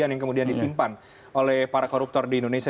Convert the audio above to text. yang kemudian disimpan oleh para koruptor di indonesia